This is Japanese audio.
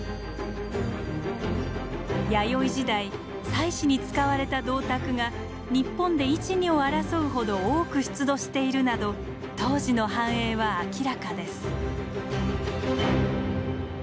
弥生時代祭祀に使われた銅鐸が日本で一二を争うほど多く出土しているなど当時の繁栄は明らかです。